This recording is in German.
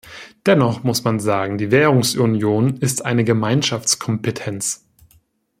Dennoch muss man sagen, die Währungsunion ist eine Gemeinschaftskompetenz.